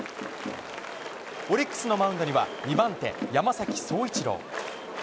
オリックスのマウンドには、２番手、山崎颯一郎。